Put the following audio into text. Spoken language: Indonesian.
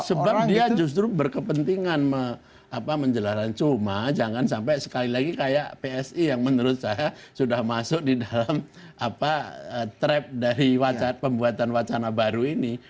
sebab dia justru berkepentingan menjelaran cuma jangan sampai sekali lagi kayak psi yang menurut saya sudah masuk di dalam trap dari pembuatan wacana baru ini